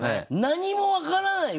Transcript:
何も分からない